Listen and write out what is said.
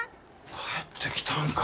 帰ってきたんか。